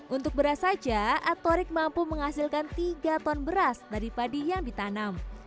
untuk beras saja atorik mampu menghasilkan tiga ton beras dari padi yang ditanam